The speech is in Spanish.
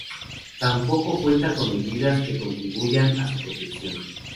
Tampoco cuenta con medidas que contribuyan a su proyección.